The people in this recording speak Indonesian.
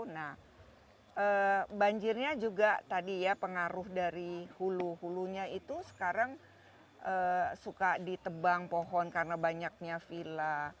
nah banjirnya juga tadi ya pengaruh dari hulu hulunya itu sekarang suka ditebang pohon karena banyaknya villa